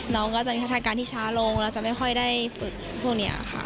น้องก็จะมีพัฒนาการที่ช้าลงแล้วจะไม่ค่อยได้ฝึกพวกนี้ค่ะ